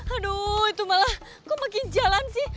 aduh itu malah gue makin jalan sih